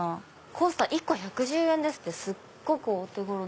コースター１個１１０円ですってすっごくお手頃。